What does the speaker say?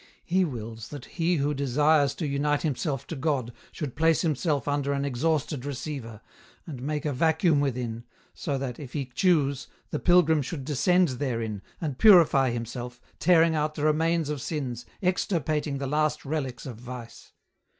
He wills that he who desires to unite himself to God should place himself under an ex hausted receiver, and make a vacuum within, so that, if he choose, the Pilgrim should descend therein, and purify himself, tearing out the remains of sins, extirpating the last relics of vice.